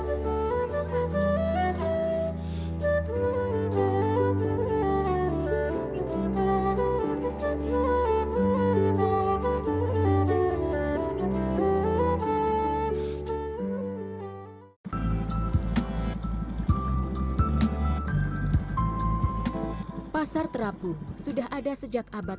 besi untuk bisiden satu juga diilijaden